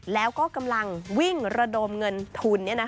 แล้วก็กำลังวิ่งระดมเงินทุน